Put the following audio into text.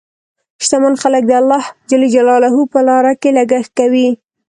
شتمن خلک د الله په لاره کې لګښت کوي.